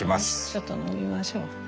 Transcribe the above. ちょっと飲みましょう。